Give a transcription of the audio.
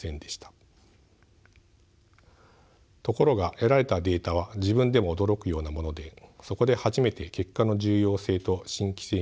ところが得られたデータは自分でも驚くようなものでそこで初めて結果の重要性と新規性に気付きました。